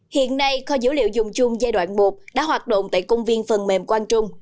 hiện nay kho dữ liệu dùng chung giai đoạn một đã hoạt động tại công viên phần mềm quang trung